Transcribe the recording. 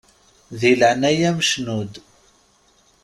Di leɛnaya-m cnu-d!